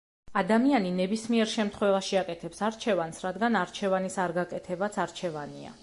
ადამიანი ნებისმიერ შემთხვევაში აკეთებს არჩევანს, რადგან არჩევანის არ გაკეთებაც არჩევანია.